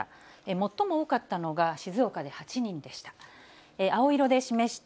最も多かったのが静岡で８人でした。